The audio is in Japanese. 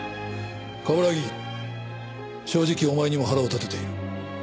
冠城正直お前にも腹を立てている。